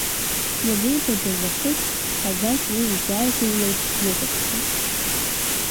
Ианеибадыр нахыс Ҳазач уи изааигәаӡоу леиԥш длыхәаԥшуан.